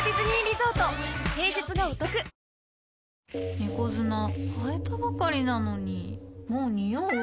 猫砂替えたばかりなのにもうニオう？